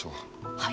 はい？